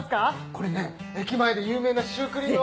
これね駅前で有名なシュークリーム。